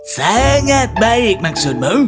sangat baik maksudmu